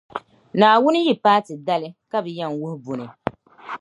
Naawuni yi paati dali, ka be yɛn wuhi buni.